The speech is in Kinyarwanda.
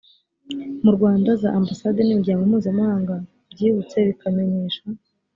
mu rwanda za ambasade n imiryango mpuzamahanga byibutse bikamenyesha